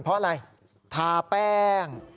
เพราะอะไรทาแป้ง